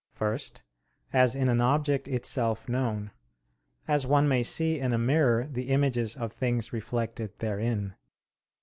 First, as in an object itself known; as one may see in a mirror the images of things reflected therein.